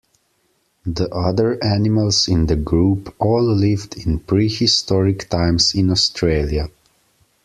The other animals in the group all lived in prehistoric times in Australia.